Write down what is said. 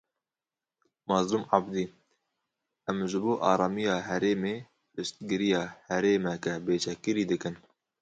Mazlûm Abdî: Em ji bo aramiya herêmê piştgiriya herêmeke bêçekkirî dikin